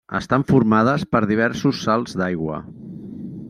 Estan formades per diversos salts d'aigua.